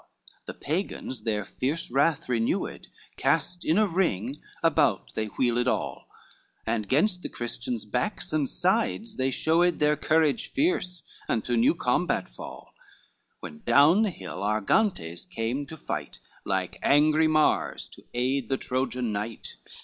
the Pagans their fierce wrath renewed, Cast in a ring about they wheeled all, And 'gainst the Christians' backs and sides they showed Their courage fierce, and to new combat fall, When down the hill Argantes came to fight, Like angry Mars to aid the Trojan knight.